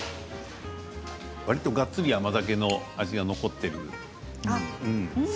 がっつり甘酒の味が残っている。